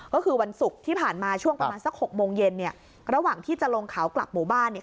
ก็คือวันศุกร์ที่ผ่านมาช่วงประมาณสักหกโมงเย็นเนี่ยระหว่างที่จะลงเขากลับหมู่บ้านเนี่ย